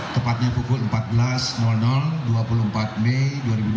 tepatnya pukul empat belas dua puluh empat mei dua ribu dua puluh